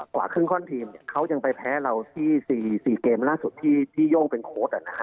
กว่าครึ่งข้อนทีมเขายังไปแพ้เราที่๔เกมล่าสุดที่โย่งเป็นโค้ด